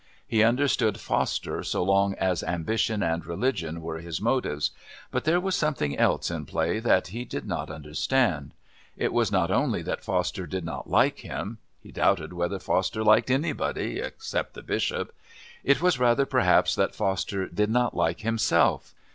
He understood Foster so long as ambition and religion were his motives, but there was something else in play that he did not understand. It was not only that Foster did not like him he doubted whether Foster liked anybody except the Bishop it was rather perhaps that Foster did not like himself.